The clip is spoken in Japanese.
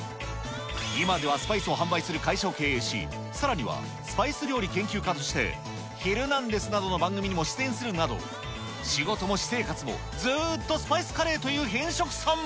今ではスパイスを販売する会社を経営し、さらには、スパイス料理研究家として、ヒルナンデスなどの番組にも出演するなど、仕事も私生活もずっとスパイスカレーという偏食さん。